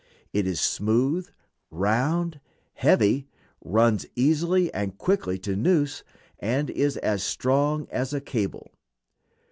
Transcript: It is smooth, round, heavy, runs easily and quickly to noose, and is as strong as a cable.